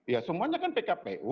ya semuanya kan pkpu